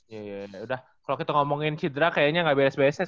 ya ya udah kalau kita ngomongin cedera kayaknya gak beres beres aja